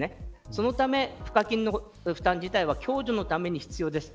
そのため賦課金の負担自体は共助のために必要です。